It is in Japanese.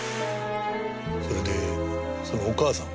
それでそのお母さんは？